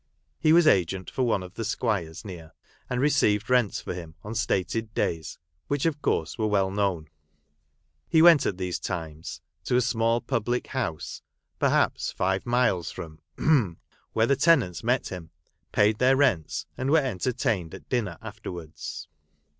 He was agent for one of the squires near, and received rents for him on stated days, which of course were well known. He went at these times to a small public house, perhaps five miles from , where the tenants met him, paid their rents, and were entertained at dinner afterwards.